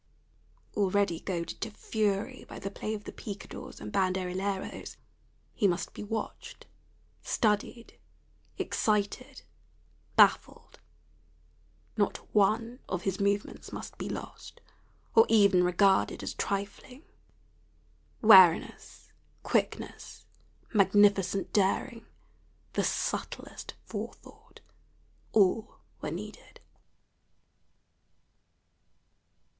Already goaded to fury by the play of the picadors and banderilleros, he must be watched, studied, excited, baffled; not one of his movements must be lost, or even regarded as trifling; wariness, quickness, magnificent daring, the subtlest forethought, all were needed.